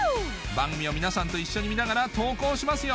番組を皆さんと一緒に見ながら投稿しますよ